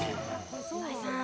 岩井さん